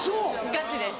ガチです。